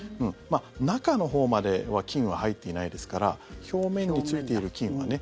中のほうまでは菌は入っていないですから表面についている菌はね